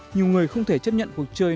nhiều người không thể chấp nhận cuộc chơi